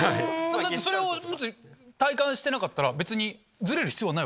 それを体感してなかったら別にズレる必要はない？